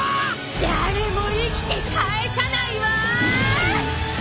誰も生きてかえさないわ！